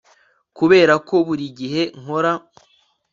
kubera ko buri gihe nkora